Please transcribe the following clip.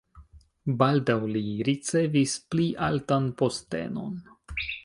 Baldaŭ li ricevis pli altan postenon.